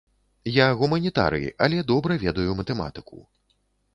Я гуманітарый, але добра ведаю матэматыку.